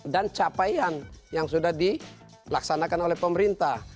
dan capaian yang sudah dilaksanakan oleh pemerintah